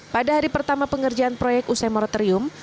pada hari pertama pengerjaan proyek usai moratorium